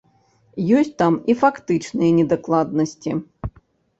Ёсць там і фактычныя недакладнасці.